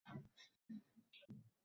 Qiz esa bir muddat nimanidir kutdi.